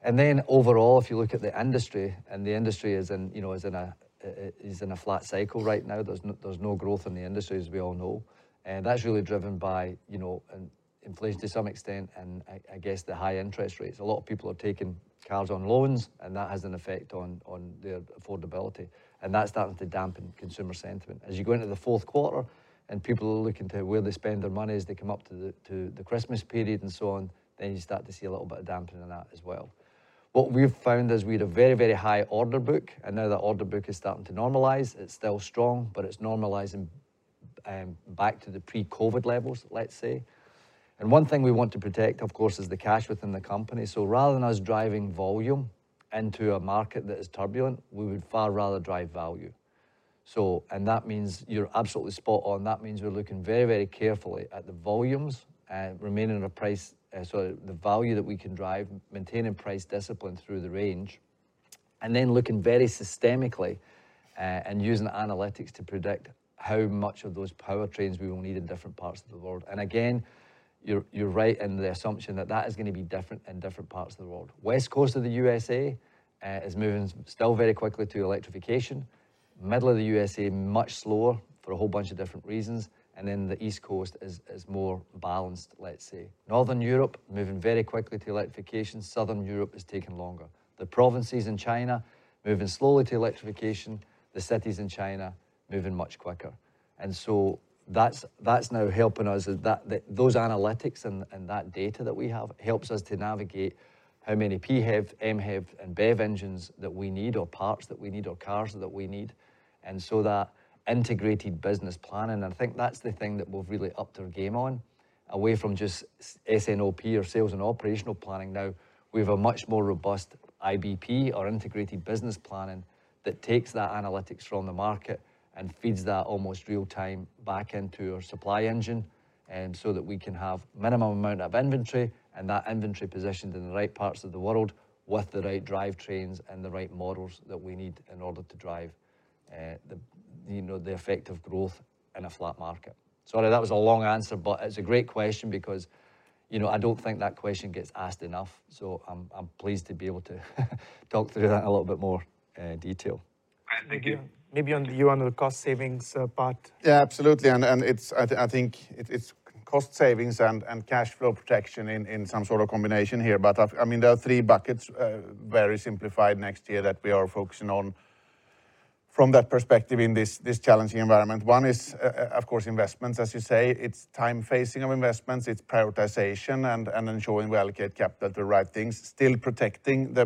And then overall, if you look at the industry, and the industry is in, you know, a flat cycle right now. There's no growth in the industry, as we all know, and that's really driven by, you know, inflation to some extent, and I guess the high interest rates. A lot of people are taking cars on loans, and that has an effect on their affordability, and that's starting to dampen consumer sentiment. As you go into the fourth quarter, and people are looking to where they spend their money as they come up to the Christmas period and so on, then you start to see a little bit of damping in that as well. What we've found is we had a very, very high order book, and now that order book is starting to normalize. It's still strong, but it's normalizing back to the pre-COVID levels, let's say. One thing we want to protect, of course, is the cash within the company. Rather than us driving volume into a market that is turbulent, we would far rather drive value. That means you're absolutely spot on. That means we're looking very, very carefully at the volumes, remaining at a price, so the value that we can drive, maintaining price discipline through the range, and then looking very systemically, and using analytics to predict how much of those powertrains we will need in different parts of the world. Again, you're right in the assumption that that is gonna be different in different parts of the world. West Coast of the USA is moving still very quickly to electrification. Middle of the U.S.A., much slower for a whole bunch of different reasons, and then the East Coast is more balanced, let's say. Northern Europe, moving very quickly to electrification. Southern Europe is taking longer. The provinces in China, moving slowly to electrification. The cities in China, moving much quicker. And so that's now helping us, is that those analytics and that data that we have helps us to navigate how many PHEV, MHEV, and BEV engines that we need, or parts that we need, or cars that we need. And so that integrated business planning, I think that's the thing that we've really upped our game on, away from just S&OP or sales and operations planning. Now, we have a much more robust IBP or integrated business planning, that takes that analytics from the market and feeds that almost real time back into our supply engine, and so that we can have minimum amount of inventory, and that inventory positioned in the right parts of the world with the right drivetrains and the right models that we need in order to drive you know the effective growth in a flat market. Sorry, that was a long answer, but it's a great question because, you know, I don't think that question gets asked enough. So I'm pleased to be able to talk through that in a little bit more detail. Thank you. Maybe on the cost savings part? Yeah, absolutely. And it's cost savings and cash flow protection in some sort of combination here. But I mean, there are three buckets, very simplified next year that we are focusing on from that perspective in this challenging environment. One is, of course, investments, as you say. It's time phasing of investments, it's prioritization, and ensuring we allocate capital to the right things, still protecting the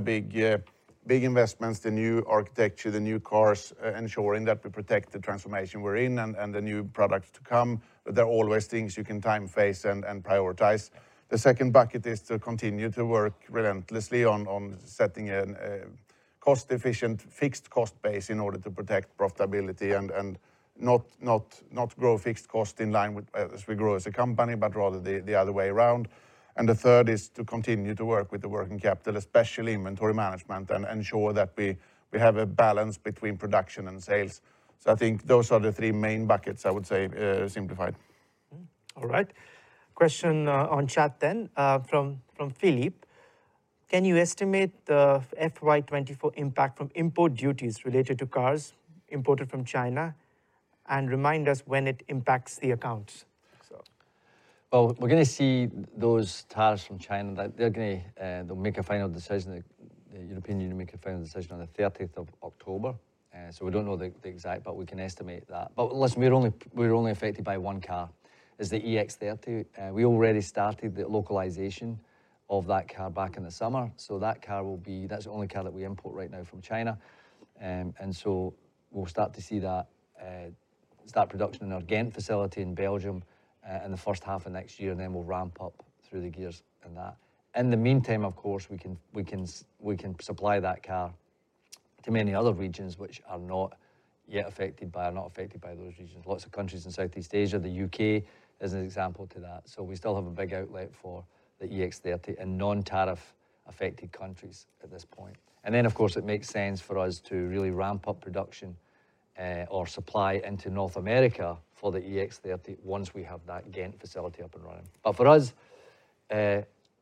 big investments, the new architecture, the new cars, ensuring that we protect the transformation we're in and the new products to come. There are always things you can time phase and prioritize. The second bucket is to continue to work relentlessly on setting a cost-efficient fixed cost base in order to protect profitability, and not grow fixed cost in line with, as we grow as a company, but rather the other way around, and the third is to continue to work with the working capital, especially inventory management, and ensure that we have a balance between production and sales, so I think those are the three main buckets I would say, simplified. All right. Question on chat then from Philip: "Can you estimate the FY 2024 impact from import duties related to cars imported from China, and remind us when it impacts the accounts? So...We're gonna see those tariffs from China. That they're gonna, they'll make a final decision, the European Union make a final decision on the 13th of October. So we don't know the exact, but we can estimate that. But listen, we're only affected by one car, is the EX30. We already started the localization of that car back in the summer, so that car will be. That's the only car that we import right now from China. And so we'll start to see that, start production in our Ghent facility in Belgium, in the first half of next year, and then we'll ramp up through the gears in that. In the meantime, of course, we can supply that car to many other regions which are not yet affected by those regions. Lots of countries in Southeast Asia, the U.K. is an example to that. So we still have a big outlet for the EX30 in non-tariff affected countries at this point. And then, of course, it makes sense for us to really ramp up production, or supply into North America for the EX30 once we have that Ghent facility up and running. But for us,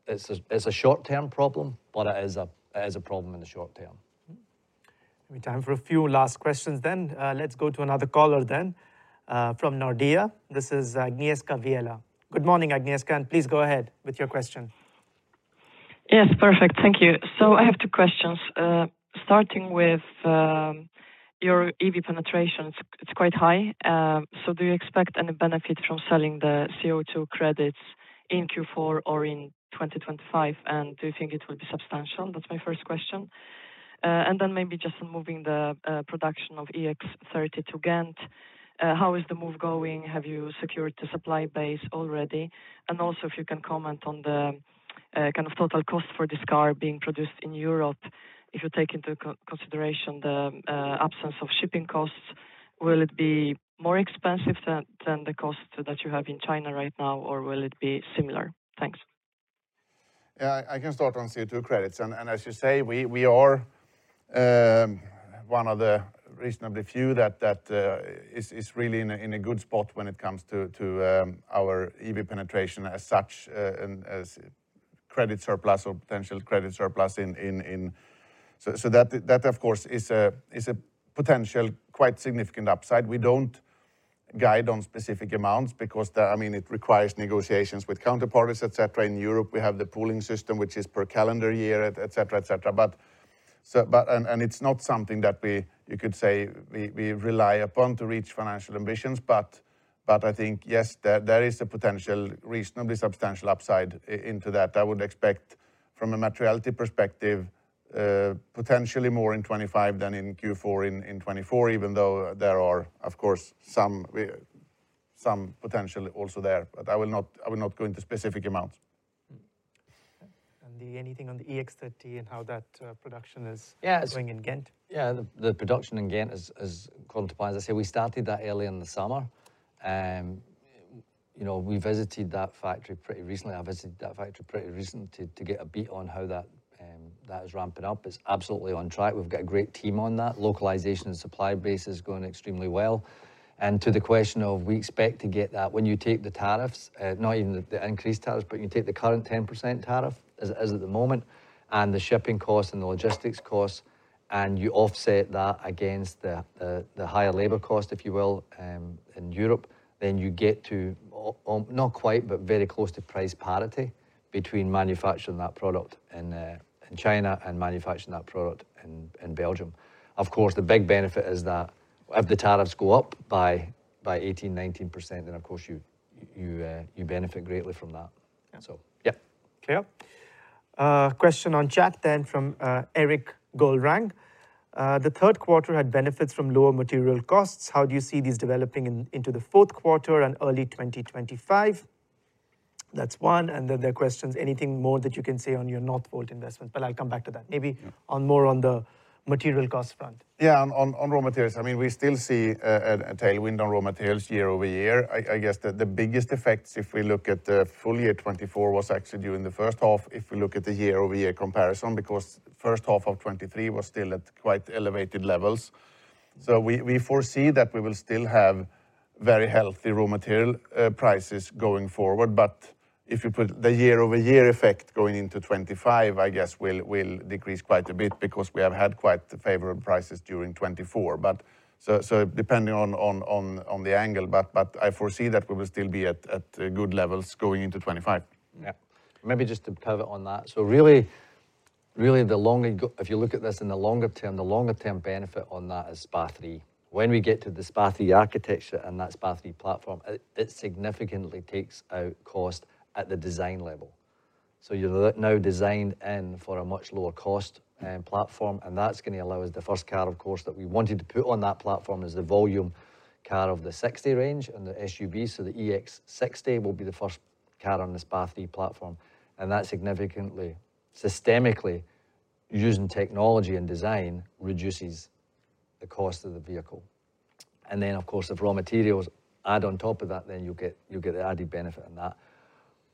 it's a short-term problem, but it is a problem in the short term. We have time for a few last questions then. Let's go to another caller then, from Nordea. This is Agnieszka Vilela. Good morning, Agnieszka, and please go ahead with your question. Yes, perfect. Thank you. So I have two questions. Starting with your EV penetration, it's quite high, so do you expect any benefit from selling the CO2 credits in Q4 or in 2025, and do you think it will be substantial? That's my first question. And then maybe just on moving the production of EX30 to Ghent, how is the move going? Have you secured the supply base already? And also, if you can comment on the kind of total cost for this car being produced in Europe, if you take into consideration the absence of shipping costs, will it be more expensive than the cost that you have in China right now, or will it be similar? Thanks. Yeah, I can start on CO2 credits, and as you say, we are one of the reasonably few that is really in a good spot when it comes to our EV penetration as such, and as credit surplus or potential credit surplus in. So that of course is a potential quite significant upside. We don't guide on specific amounts because, I mean, it requires negotiations with counterparties, et cetera. In Europe, we have the pooling system, which is per calendar year, et cetera. But, and it's not something that we, you could say, we rely upon to reach financial ambitions, but I think, yes, there is a potential, reasonably substantial upside into that. I would expect from a materiality perspective, potentially more in 2025 than in Q4 in 2024, even though there are, of course, some potential also there. But I will not go into specific amounts. And then anything on the EX30 and how that production is- Yeah. going in Ghent? Yeah, the production in Ghent is quantified. I say we started that early in the summer, you know, we visited that factory pretty recently. I visited that factory pretty recently to get a beat on how that is ramping up. It's absolutely on track. We've got a great team on that. Localization and supply base is going extremely well. and to the question of we expect to get that, when you take the tariffs, not even the increased tariffs, but you take the current 10% tariff as at the moment, and the shipping costs and the logistics costs, and you offset that against the higher labor cost, if you will, in Europe, then you get to not quite, but very close to price parity between manufacturing that product in China and manufacturing that product in Belgium. Of course, the big benefit is that if the tariffs go up by 18%-19%, then, of course, you benefit greatly from that. Yeah. So, yeah. Okay. Question on chat then from Erik Golrang. "The third quarter had benefits from lower material costs. How do you see these developing in, into the fourth quarter and early 2025?" That's one, and then there are questions, anything more that you can say on your Northvolt investment? But I'll come back to that. Yeah. Maybe more on the material cost front. Yeah, on raw materials, I mean, we still see a tailwind on raw materials year over year. I guess the biggest effects, if we look at the full year 2024, was actually during the first half, if we look at the year-over-year comparison, because first half of 2023 was still at quite elevated levels. So we foresee that we will still have very healthy raw material prices going forward. But if you put the year-over-year effect going into 2025, I guess will decrease quite a bit because we have had quite favorable prices during 2024. But. So depending on the angle, but I foresee that we will still be at good levels going into 2025. Yeah. Maybe just to pivot on that. So really, really, if you look at this in the longer term, the longer-term benefit on that is SPA3. When we get to the SPA3 architecture and that SPA3 platform, it significantly takes out cost at the design level. So you're now designed in for a much lower cost platform, and that's going to allow us the first car, of course, that we wanted to put on that platform is the volume car of the 60 range and the SUV. So the EX60 will be the first car on the SPA3 platform, and that significantly, systemically, using technology and design, reduces the cost of the vehicle. And then, of course, if raw materials add on top of that, then you'll get, you'll get the added benefit in that.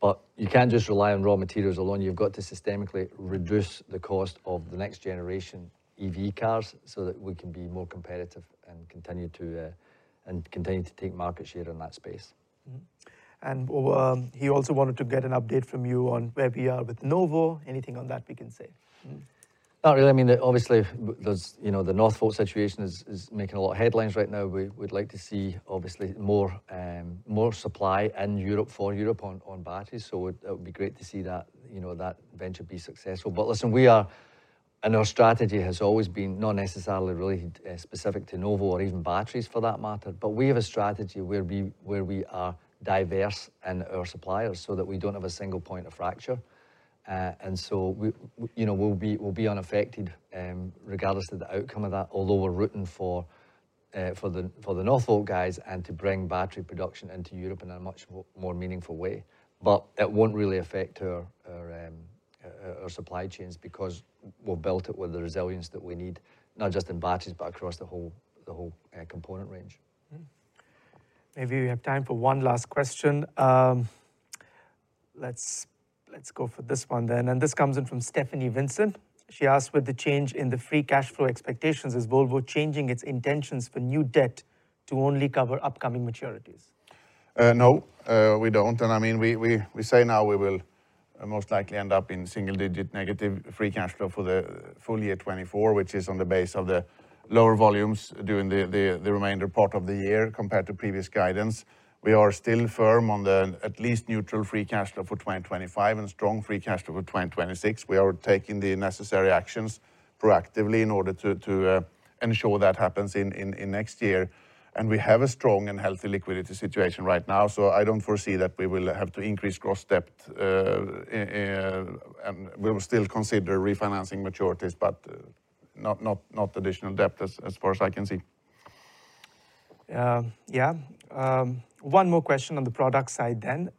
But you can't just rely on raw materials alone. You've got to systematically reduce the cost of the next generation EV cars so that we can be more competitive and continue to take market share in that space. And, well, he also wanted to get an update from you on where we are with Northvolt. Anything on that we can say? Not really. I mean, obviously, there's, you know, the Northvolt situation is making a lot of headlines right now. We'd like to see, obviously, more, more supply in Europe, for Europe on, on batteries, so it would be great to see that, you know, that venture be successful. But listen, we are, and our strategy has always been, not necessarily related, specific to Novo or even batteries for that matter, but we have a strategy where we, where we are diverse in our suppliers so that we don't have a single point of fracture. And so we, we'll be unaffected, regardless of the outcome of that, although we're rooting for the Northvolt guys and to bring battery production into Europe in a much more meaningful way. But it won't really affect our supply chains, because we've built it with the resilience that we need, not just in batteries, but across the whole component range. Maybe we have time for one last question. Let's go for this one then, and this comes in from Stephanie Vincent. She asked, "With the change in the free cash flow expectations, is Volvo changing its intentions for new debt to only cover upcoming maturities? No, we don't. And I mean, we say now we will most likely end up in single-digit negative free cash flow for the full year 2024, which is on the basis of the lower volumes during the remainder part of the year compared to previous guidance. We are still firm on the at least neutral free cash flow for 2025 and strong free cash flow for 2026. We are taking the necessary actions proactively in order to ensure that happens in next year. And we have a strong and healthy liquidity situation right now, so I don't foresee that we will have to increase gross debt. And we will still consider refinancing maturities, but not additional debt as far as I can see. Yeah. One more question on the product side then.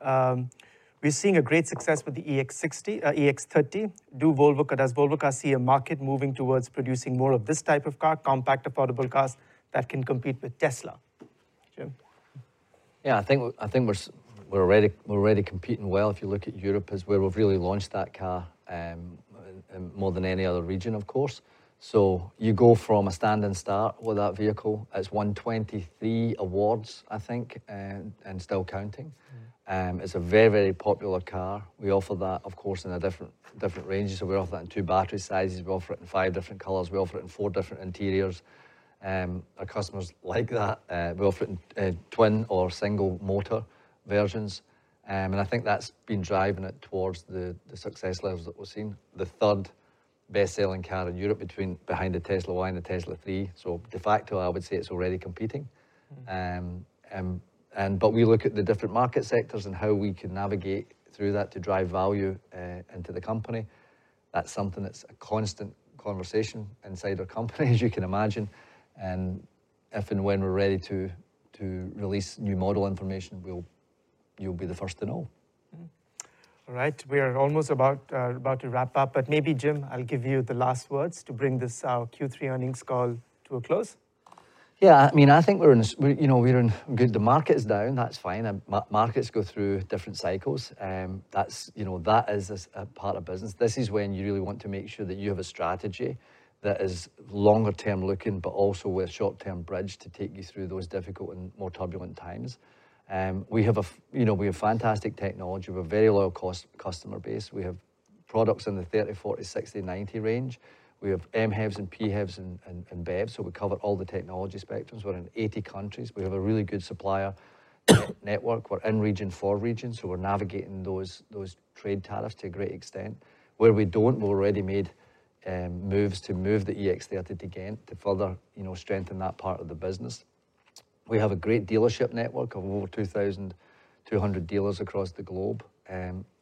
"We're seeing a great success with the EX60, EX30. Does Volvo Cars see a market moving towards producing more of this type of car, compact, affordable cars, that can compete with Tesla?" Jim? Yeah, I think we're already competing well. If you look at Europe, is where we've really launched that car, and more than any other region, of course. So you go from a standing start with that vehicle. It's won 2023 awards, I think, and still counting. It's a very, very popular car. We offer that, of course, in a different range. So we offer that in two battery sizes. We offer it in five different colors. We offer it in four different interiors. Our customers like that. We offer it in twin or single motor versions, and I think that's been driving it towards the success levels that we've seen. The third best-selling car in Europe behind the Tesla Model Y and the Tesla Model 3. So de facto, I would say it's already competing. We look at the different market sectors and how we can navigate through that to drive value into the company. That's something that's a constant conversation inside our company, as you can imagine. If and when we're ready to release new model information, you'll be the first to know. All right, we are almost about to wrap up, but maybe, Jim, I'll give you the last words to bring this, our Q3 earnings call to a close. Yeah, I mean, I think we're in a we, you know, we're in good. The market is down, that's fine, and markets go through different cycles. That's, you know, that is a part of business. This is when you really want to make sure that you have a strategy that is longer term looking, but also with short-term bridge to take you through those difficult and more turbulent times. You know, we have fantastic technology. We have a very loyal customer base. We have products in the thirty, forty, sixty, ninety range. We have MHEVs and PHEVs and BEVs, so we cover all the technology spectrums. We're in eighty countries. We have a really good supplier network. We're in four regions, so we're navigating those trade tariffs to a great extent. Where we don't, we've already made moves to move the EX30 to Ghent, to further, you know, strengthen that part of the business. We have a great dealership network of over two thousand two hundred dealers across the globe.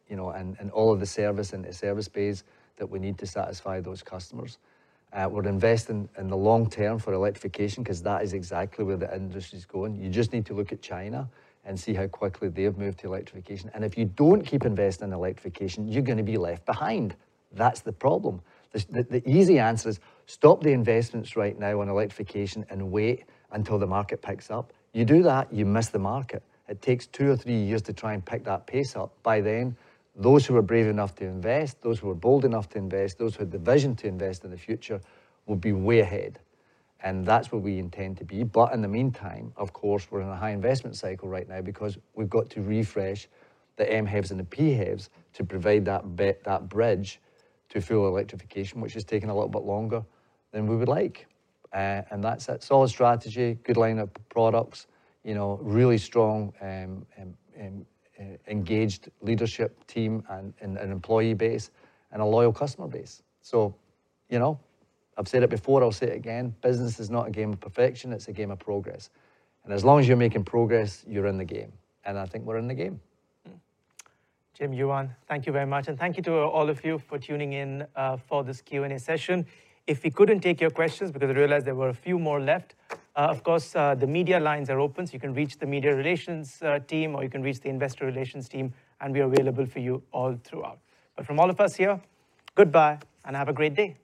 You know, and, and all of the service and the service base that we need to satisfy those customers. We're investing in the long term for electrification, 'cause that is exactly where the industry's going. You just need to look at China and see how quickly they've moved to electrification. And if you don't keep investing in electrification, you're gonna be left behind. That's the problem. The easy answer is, stop the investments right now on electrification and wait until the market picks up. You do that, you miss the market. It takes two or three years to try and pick that pace up. By then, those who are brave enough to invest, those who are bold enough to invest, those who had the vision to invest in the future, will be way ahead, and that's where we intend to be. But in the meantime, of course, we're in a high investment cycle right now because we've got to refresh the MHEVs and the PHEVs to provide that bridge to full electrification, which is taking a little bit longer than we would like, and that's a solid strategy, good line-up of products, you know, really strong, engaged leadership team and an employee base, and a loyal customer base. So, you know, I've said it before, I'll say it again, business is not a game of perfection, it's a game of progress. As long as you're making progress, you're in the game, and I think we're in the game. Jim Rowan, thank you very much, and thank you to all of you for tuning in for this Q&A session. If we couldn't take your questions, because I realize there were a few more left, of course, the media lines are open, so you can reach the media relations team, or you can reach the investor relations team, and we're available for you all throughout. But from all of us here, goodbye, and have a great day!